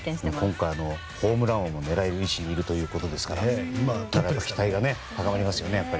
今回ホームラン王も狙える位置にいるということですから期待が高まりますね。